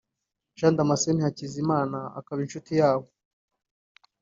Jean Damascene Hakizimana akaba inshuti yabo